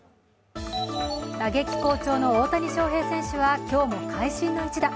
打撃好調の大谷翔平選手は今日も会心の一打。